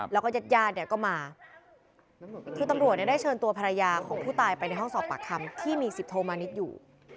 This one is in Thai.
แล้วก็ญาติญาติเนี่ยก็มาคือตำรวจได้เชิญตัวภรรยาของผู้ตายไปในห้องสอบปากคำที่มีสิบโทมานิดอยู่